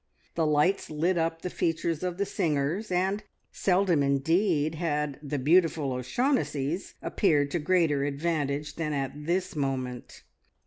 The lights lit up the features of the singers, and seldom indeed had "the beautiful O'Shaughnessys" appeared to greater advantage than at this moment.